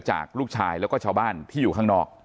จากลูกชายแล้วก็ชาวบ้านที่อยู่ข้างนอก